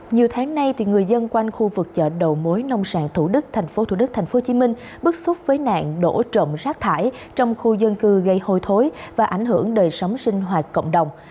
nhiều tháng nay người dân quanh khu vực chợ đầu mối nông sản thủ đức tp thủ đức tp hcm bức xúc với nạn đổ trộm rác thải trong khu dân cư gây hôi thối và ảnh hưởng đời sống sinh hoạt cộng đồng